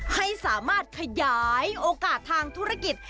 ให้สามารถขยายโอกาสทางธุรกิจ